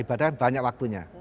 ibadah banyak waktunya